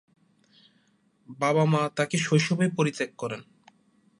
বাবা-মা তাঁকে শৈশবেই পরিত্যাগ করেন।